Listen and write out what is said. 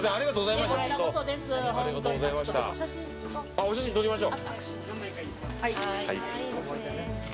お写真撮りましょう。